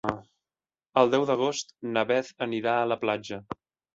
El deu d'agost na Beth anirà a la platja.